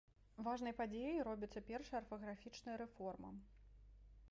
Важнай падзеяй робіцца першая арфаграфічная рэформа.